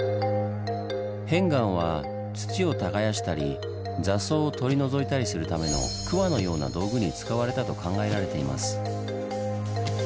片岩は土を耕したり雑草を取り除いたりするためのくわのような道具に使われたと考えられています。